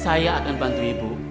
saya akan bantu ibu